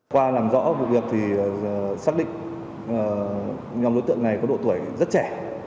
qua làm rõ vụ việc thì xác định nhóm đối tượng này có độ tuổi rất trẻ